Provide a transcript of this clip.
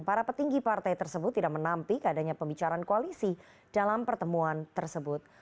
para petinggi partai tersebut tidak menampik adanya pembicaraan koalisi dalam pertemuan tersebut